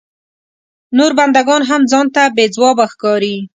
نور بنده ګان هم ځان ته بې ځوابه ښکاري.